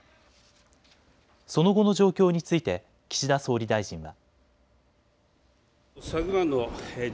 その後の状況について岸田総理大臣は。